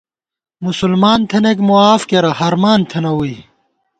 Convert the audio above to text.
مسلمان تھنَئیک معاف کېرہ، ہرمان تھنہ ووئی